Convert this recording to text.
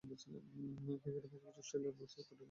ক্রিকেটের পাশাপাশি অস্ট্রেলীয় রুলস ফুটবলে দক্ষ ছিলেন তিনি।